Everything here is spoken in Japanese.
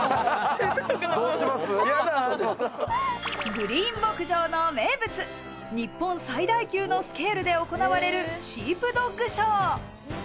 グリーン牧場の名物、日本最大級のスケールで行われるシープドッグショー。